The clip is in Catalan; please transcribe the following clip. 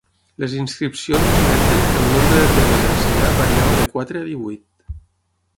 Les inscripcions esmenten que el nombre de temes a ensenyar variava de quatre a divuit.